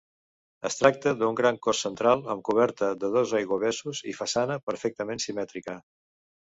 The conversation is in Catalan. Es tracta d'un gran cos central amb coberta de dos aiguavessos i façana perfectament simètrica.